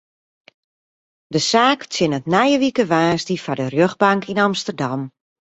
De saak tsjinnet nije wike woansdei foar de rjochtbank yn Amsterdam.